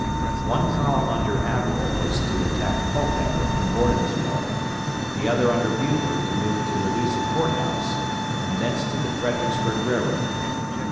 One column under Averell was to attack Culpeper and Gordonsville, the other under Buford to move to Louisa Court House, and thence to the Fredericksburg Railroad.